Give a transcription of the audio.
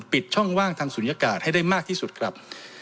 ช่องว่างทางศูนยากาศให้ได้มากที่สุดครับ